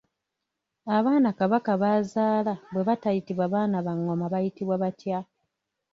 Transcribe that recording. Abaana Kabaka b’azaala bwe batayitibwa baana ba ngoma bayitibwa batya?